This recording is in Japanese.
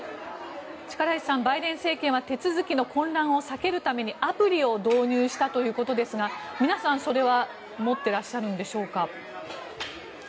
力石さん、バイデン政権は手続きの混乱を避けるためにアプリを導入したということですが皆さん、それは持っているんでしょうか？